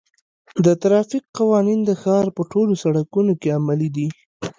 د ترافیک قوانین د ښار په ټولو سړکونو کې عملي دي.